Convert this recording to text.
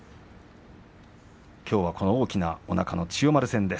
きょうは大きなおなかの千代丸戦です。